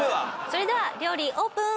それでは料理オープン！